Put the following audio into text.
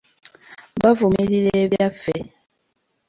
Bavumirira ebyaffe.